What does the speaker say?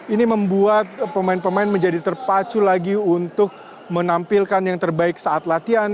ini membuat pemain pemain menjadi terpacu lagi untuk menampilkan yang terbaik saat latihan